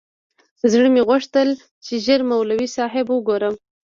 زړه مې غوښتل چې ژر مولوي صاحب وگورم.